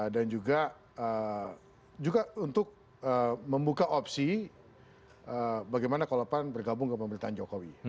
dan juga untuk membuka opsi bagaimana kalau pan bergabung ke pemerintahan jokowi